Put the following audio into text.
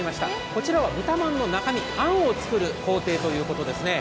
こちらは豚まんの中身、あんを作る工程ということですね。